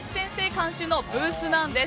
監修のブースなんです。